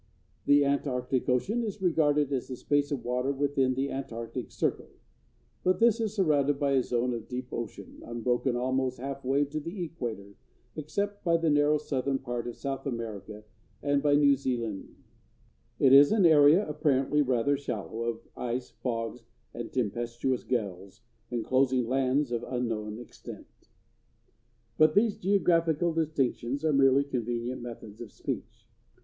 The Antarctic Ocean is regarded as the space of water within the Antarctic circle; but this is surrounded by a zone of deep ocean, unbroken almost half way to the equator, except by the narrow southern part of South America and by New Zealand. It is an area, apparently rather shallow, of ice, fogs, and tempestuous gales, inclosing lands of unknown extent. [Illustration: WAVE WORN CLIFFS AND PEBBLE BEACH AT ETRETAT, FRANCE. (FROM A PAINTING BY WILLIAM P. W. DANA.)] But these geographical distinctions are merely convenient methods of speech.